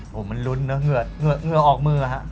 ผมมันลุ้นนะเหือออกมือฮะ